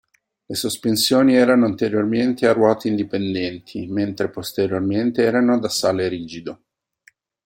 Le sospensioni erano anteriormente a ruote indipendenti, mentre posteriormente erano ad assale rigido.